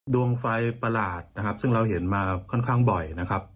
ดวงไฟประหลาดนะครับซึ่งเราเห็นมาค่อนข้างบ่อยนะครับ